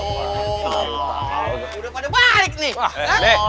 udah pada balik nih